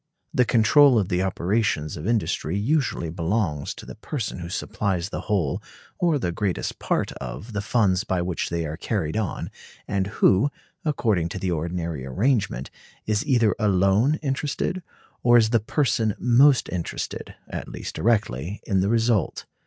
The control of the operations of industry usually belongs to the person who supplies the whole or the greatest part of the funds by which they are carried on, and who, according to the ordinary arrangement, is either alone interested, or is the person most interested (at least directly), in the result.